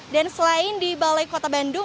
dan selain di balai kota bandung